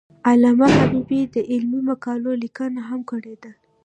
علامه حبیبي د علمي مقالو لیکنه هم کړې ده.